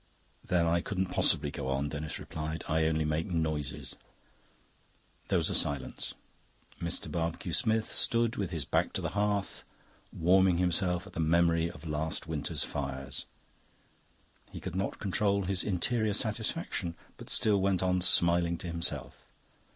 "Then I couldn't possibly go on," Denis replied. "I only make noises." There was a silence. Mr. Barbecue Smith stood with his back to the hearth, warming himself at the memory of last winter's fires. He could not control his interior satisfaction, but still went on smiling to himself.